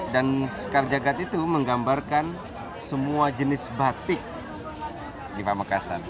dan sekar jagad itu menggambarkan semua jenis batik di pamekasan